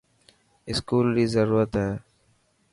اسڪول ري ضرورت هي.